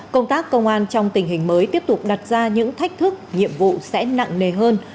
công tác công an trong tình hình mới tiếp tục đặt ra những thách thức nhiệm vụ sẽ nặng nề hơn